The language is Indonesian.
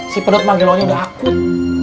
si penduduk panggil lo nya udah akut